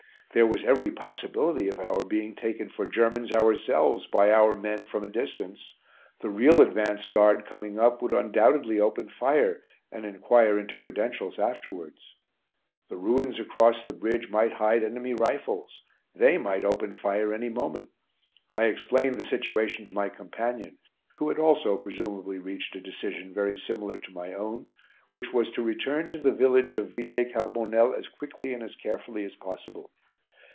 There was every possibility of our being taken for Germans ourselves by our men from a distance; the real advance guard coming up would undoubtedly open fire and enquire into credentials afterwards. The ruins across the bridge might hide enemy rifles; they might open fire any moment. I explained the situation to my companion, who had also presumably reached a decision very similar to my own, which was to return to the village of Villers Carbonel as quickly and as carefully as possible.